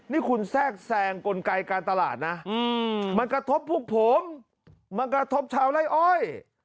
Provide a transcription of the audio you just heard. นี่คุณแทรกแซงกลไกการตลาดนะมันกระทบพวกผมมันกระทบชาวไล่อ้อย